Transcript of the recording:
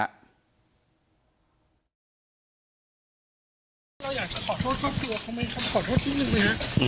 เราอยากจะขอโทษครอบครัวเขาไหมครับขอโทษนิดนึงไหมฮะ